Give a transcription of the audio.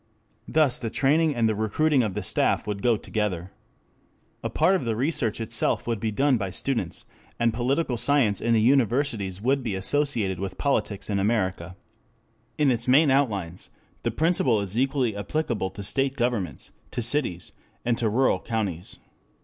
Thus the training and the recruiting of the staff would go together. A part of the research itself would be done by students, and political science in the universities would be associated with politics in America. 7 In its main outlines the principle is equally applicable to state governments, to cities, and to rural counties.